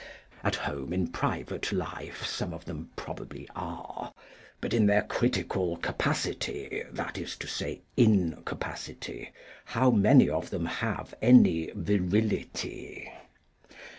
At home in private life, some of them probably are; but in their critical capacity, that is to say incapacity, how many of them have any virility?